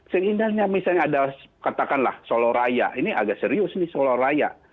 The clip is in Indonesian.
seindahnya misalnya ada katakanlah solo raya ini agak serius nih solo raya